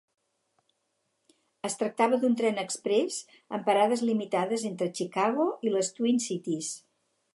Es tractava d'un tren exprès amb parades limitades entre Chicago i les Twin Cities.